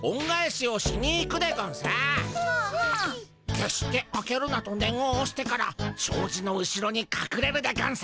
「けっして開けるな」とねんをおしてからしょうじの後ろにかくれるでゴンス。